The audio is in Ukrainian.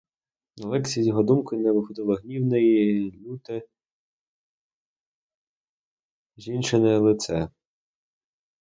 На лекції з його думки не виходило гнівне й люте жінчине лице.